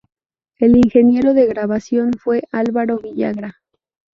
El ingeniero de grabación fue Alvaro Villagra.